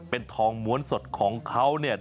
เป็นทองม้วนสดของเขาเนี่ย